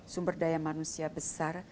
sumber daya manusia besar